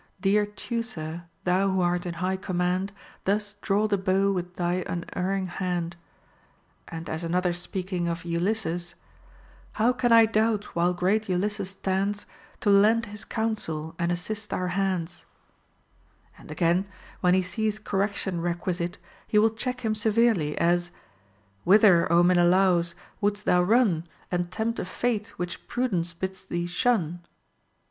115 Dear Teucer, thou who art in high command, Thus draw the bow with thy unerring hand ; and as another speaking of Ulysses, How can I doubt, while great Ulysses stands To lend his counsel and assist our hands Ί and again, when he sees correction requisite, he will check him severely, as, Whither, Ο Menelaus, wouldst thou run, And tempt a fate which prudence bids thee shun